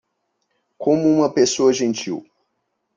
Como uma pessoa gentil